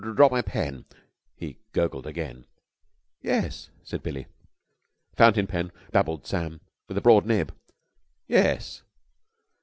"Dropped my pen!" he gurgled again. "Yes?" said Billie. "Fountain pen," babbled Sam, "with a broad nib." "Yes?"